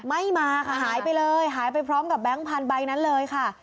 ไม่มาค่ะหายไปเลยหายไปพร้อมกับแบงค์พันธุใบนั้นเลยค่ะ